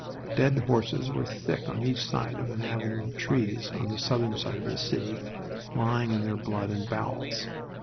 Dead horses were thick on each side of an avenue of trees on the southern side of the city, lying in their blood and bowels.